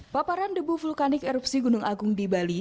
paparan debu vulkanik erupsi gunung agung di bali